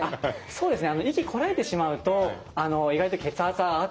そうですね。